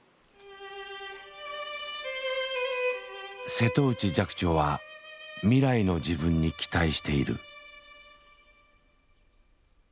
瀬戸内寂聴は未来の自分に期待している。